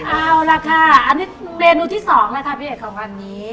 เอาล่ะค่ะอันนี้เมนูที่๒แล้วค่ะพี่เอกของวันนี้